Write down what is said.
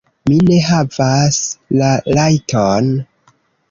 Mi ne havas la rajton?